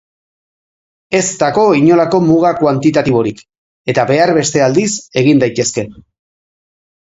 Ez dago inolako muga kuantitatiborik, eta behar beste aldiz egin daitezke.